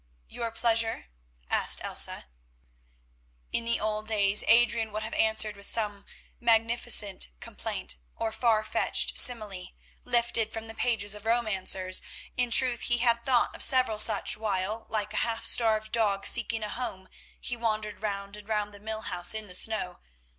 "Your pleasure?" asked Elsa. In the old days Adrian would have answered with some magnificent compliment, or far fetched simile lifted from the pages of romancers. In truth he had thought of several such while, like a half starved dog seeking a home, he wandered round and round the mill house in the snow.